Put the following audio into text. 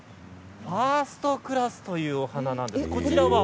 ファーストクラスというお花です。